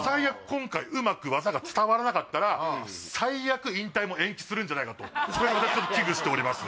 今回うまく技が伝わらなかったら最悪引退も延期するんじゃないかとこれ私ちょっと危惧しております